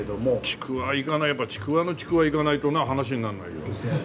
ちくわやっぱちくわのちくわいかないとな話になんないよ。